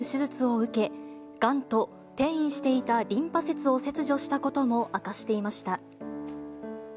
去年２月には、およそ１５時間に及ぶ手術を受け、がんと転移していたリンパ節を切除したことも明かしていました。